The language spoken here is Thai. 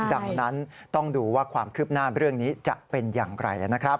ดังนั้นต้องดูว่าความคืบหน้าเรื่องนี้จะเป็นอย่างไรนะครับ